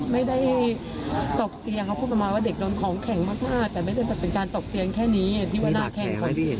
มีบัดแขนไม่ได้เห็นบัดแขน